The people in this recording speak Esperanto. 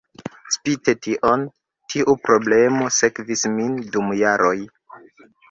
Spite tion, tiu problemo sekvis min dum jaroj.